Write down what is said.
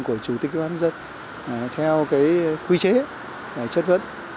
và chủ tịch ủy ban dân theo cái quy chế chất vấn